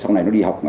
sau này nó đi học